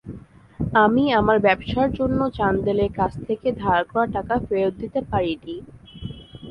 আমি আমার ব্যবসার জন্য চান্দেলের কাছ থেকে, ধার করা টাকা ফেরত দিতে পারিনি।